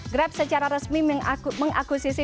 grab secara resmi mengakusisi